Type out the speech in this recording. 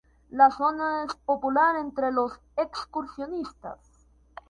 La zona es popular entre los excursionistas.